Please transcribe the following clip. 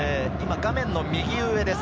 画面の右上です。